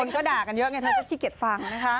ก็ด่ากันเยอะไงเธอก็ขี้เกียจฟังนะคะ